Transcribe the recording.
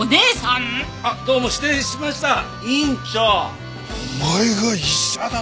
お前が医者だと！？